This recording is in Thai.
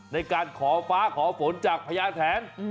ในการขอฟ้าขอฝนจากพญาแทน